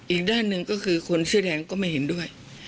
อีกด้านหนึ่งก็คือคนเสื้อแดงก็ไม่เห็นด้วย